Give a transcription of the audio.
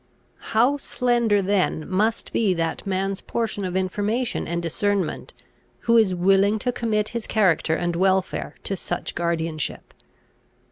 How slender then must be that man's portion of information and discernment, who is willing to commit his character and welfare to such guardianship!